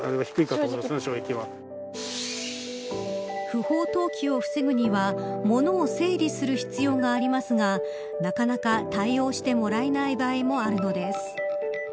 不法投棄を防ぐにはものを整理する必要がありますがなかなか対応してもらえない場合もあるのです。